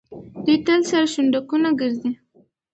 دوی تل سره شونډکونه ګرځي.